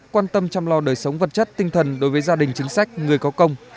quan tâm chăm lo đời sống vật chất tinh thần đối với gia đình chính sách người có công